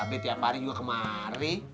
tapi kalau mau ngepe mamin bisa kemari